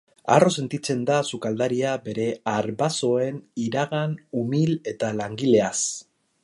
Harro sentitzen da sukaldaria bere arbasoen iragan umil eta langileaz.